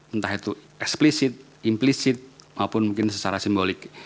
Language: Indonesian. entah itu eksplisit implisit maupun mungkin secara simbolik